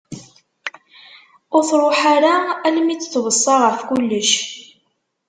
Ur truḥ ara armi i t-tweṣṣa ɣef kullec.